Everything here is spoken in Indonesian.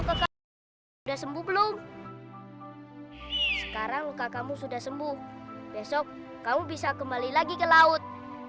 udah sembuh belum sekarang luka kamu sudah sembuh besok kamu bisa kembali lagi ke laut